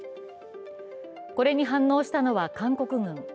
これに反応したのは韓国軍。